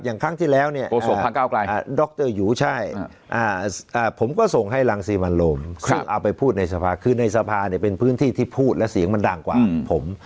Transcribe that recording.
อย่างครั้งที่แล้วผมก็ส่งให้รังสีมันโรมซึ่งเอาไปพูดในสภาคือในสภาเป็นพื้นที่ที่พูดแล้วเสียงมันดังกว่าผม